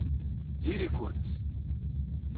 Diri-kent!